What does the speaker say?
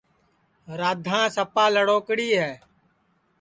رادھاں سپا لڑوکڑی ہے